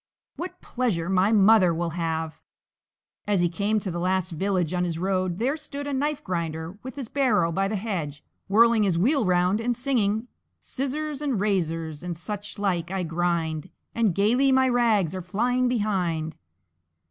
What pleasure my mother will have!" As he came to the last village on his road there stood a Knife grinder, with his barrow by the hedge, whirling his wheel round and singing: "Scissors and razors and such like I grind; And gaily my rags are flying behind."